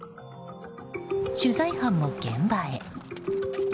取材班も現場へ。